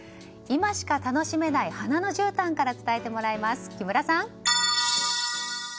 今しか楽しめない花のじゅうたんから伝えてもらいます、木村さん。